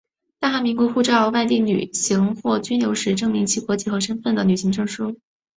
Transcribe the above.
大韩民国护照外旅行或居留时证明其国籍和身份的旅行证件。